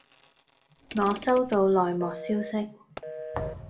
我收到內幕消息